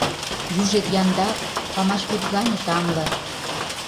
Южет яндар, памаш вӱд гане тамле.